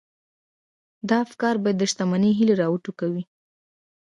دا افکار بايد د شتمنۍ هيلې را وټوکوي.